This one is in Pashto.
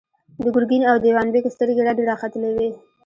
د ګرګين او دېوان بېګ سترګې رډې راختلې وې.